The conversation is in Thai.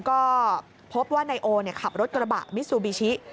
ก็พบว่านายโอขับรถกระบะมิซูบิชิ